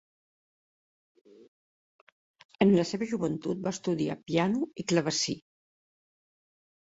En la seva joventut va estudiar piano i clavecí.